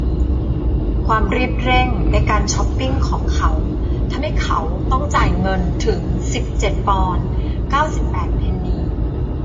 ความรีบเร่งในการช็อปปิ้งของเขาทำให้เขาต้องจ่ายเงินถึงสิบเจ็ดปอนด์เก้าสิบแปดเพนนี